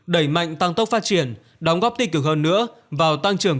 đẩy mạnh tăng tốc phát triển đóng góp tích cực hơn nữa vào tăng trưởng